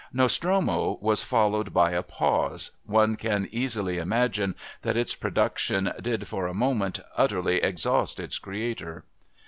Nostromo was followed by a pause one can easily imagine that its production did, for a moment, utterly exhaust its creator.